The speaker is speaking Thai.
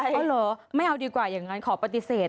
ใช่เหรอไม่เอาดีกว่าอย่างนั้นขอปฏิเสธ